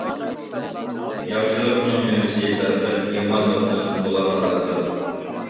ياخشىلىقنىڭ مېۋىسى سەرخىل، يامانلىقتىن تۇغۇلار ئارازلىق.